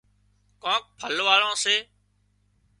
ڪانڪ ڦل واۯان سي